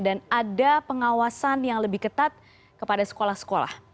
dan ada pengawasan yang lebih ketat kepada sekolah sekolah